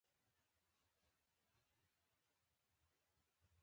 ایا ستاسو تصویر به یادګار نه شي؟